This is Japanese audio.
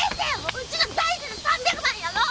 うちの大事な３００万やもう！